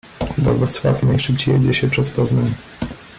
Do Wrocławia najszybciej jedzie się przez Poznań.